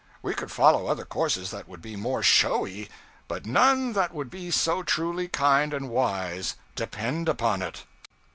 We could follow other courses that would be more showy; but none that would be so truly kind and wise, depend upon it.'